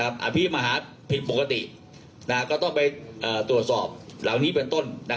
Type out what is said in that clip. พิธีมหาภิกษ์ปกติก็ต้องไปตรวจสอบแล้วนี้เป็นต้น